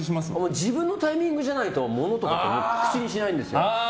自分のタイミングじゃないとものとか口にしないんですよ。